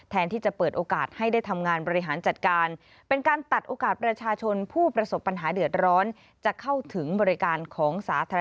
แทนที่จะเปิดโอกาสให้ได้ทำงานบริหารจัดการเป็นการตัดโอกาสประชาชนผู้ประสบปัญหาเดือดร้อน